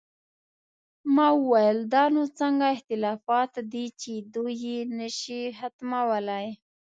ما وویل: دا نو څنګه اختلافات دي چې دوی یې نه شي ختمولی؟